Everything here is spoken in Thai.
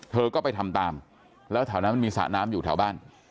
เธอก็ไปทำตามแล้วแถวนั้นมันมีสระน้ำอยู่แถวบ้าน